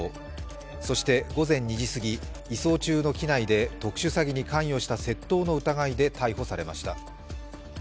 そして午前２時すぎ、移送中の機内で特殊詐欺に関与した窃盗の疑いで逮捕されました。